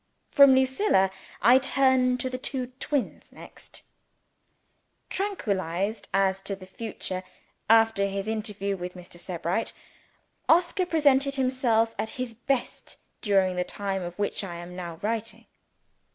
From Lucilla I turn to the twin brothers next. Tranquilized as to the future, after his interview with Mr. Sebright, Oscar presented himself at his best during the time of which I am now writing.